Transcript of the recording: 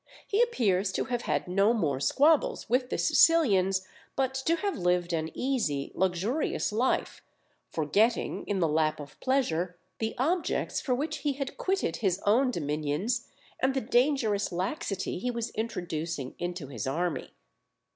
He appears to have had no more squabbles with the Sicilians, but to have lived an easy, luxurious life, forgetting, in the lap of pleasure, the objects for which he had quitted his own dominions and the dangerous laxity he was introducing into his army.